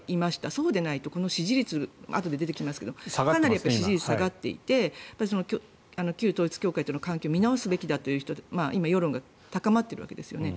そうでないとこの支持率あとで出てきますがかなり支持率下がっていて旧統一教会との関係を見直すべきだという今、世論が高まっているわけですよね。